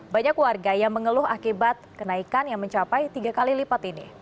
banyak warga yang mengeluh akibat kenaikan yang mencapai tiga kali lipat ini